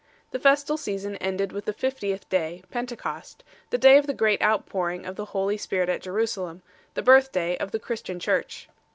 The festal season ended with the fiftieth day, Pentecost, the day of the great outpouring of the Holy Spirit at Jerusalem, the birthday of the Christian Church 10